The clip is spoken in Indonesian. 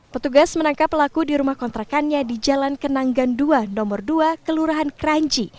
petugas menangkap pelaku di rumah kontrakannya di jalan kenangan dua nomor dua kelurahan kranji